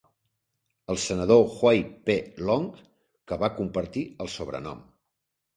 El senador Huey P. Long, que va compartir el sobrenom.